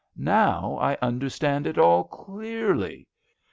" Now I understand it all clearly.